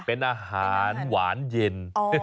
เป็นอาหารหวานเย็น